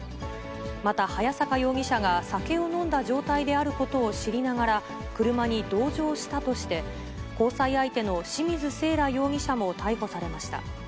また、早坂容疑者が酒を飲んだ状態であることを知りながら、車に同乗したとして、交際相手の清水せいら容疑者も逮捕されました。